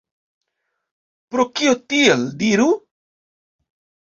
Pro kio tiel, diru?